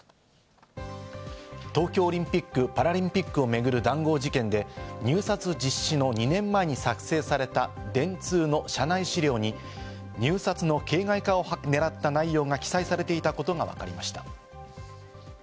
東京オリンピック・パラリンピックを巡る談合事件で、入札実施の２年前に作成された電通の社内資料に、入札の形骸化をねらった内容が記載されていたことがわかりました。